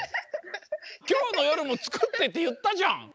「今日の夜もつくって」って言ったじゃん！